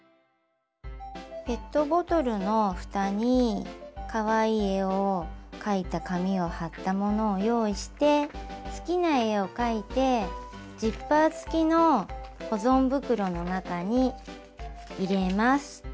ペットボトルのふたにかわいい絵を描いた紙を貼ったものを用意して好きな絵を描いてジッパー付きの保存袋の中に入れます。